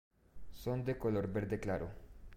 Son de color verde claro.